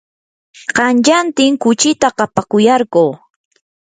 qanyantin kuchita kapakuyarquu.